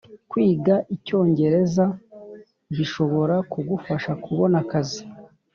Kwiga Icyongereza bishobora kugufasha kubona akazi